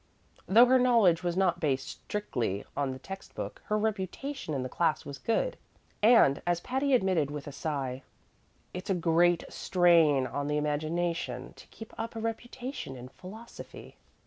Though her knowledge was not based strictly on the text book, her reputation in the class was good, and, as Patty admitted with a sigh, "It's a great strain on the imagination to keep up a reputation in philosophy."